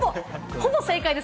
ほぼ正解です。